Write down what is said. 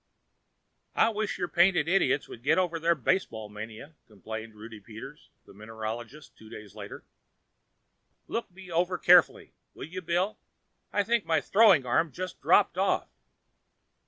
"I wish your painted idiots would get over their baseball mania," complained Rudy Peters, the mineralogist, two days later. "Look me over carefully, will you, Bill? I think my throwing arm just dropped off."